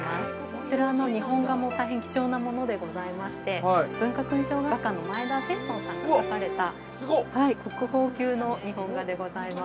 こちらの日本画も大変貴重なものでございまして文化勲章画家の前田青邨さんが描かれた国宝級の日本画でございます。